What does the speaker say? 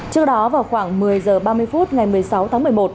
trước đó vào khoảng một mươi h ba mươi phút ngày một mươi sáu tháng một mươi một